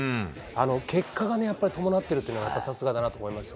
結果が伴っているというのがさすがだなと思いました。